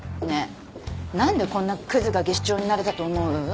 ねえ何でこんなクズが技師長になれたと思う？